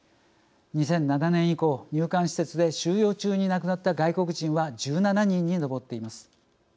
２００７年以降入管施設で収容中に亡くなった外国人は１７人に上っています。